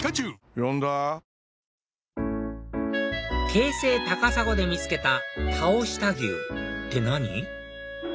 京成高砂で見つけたたおした牛って何？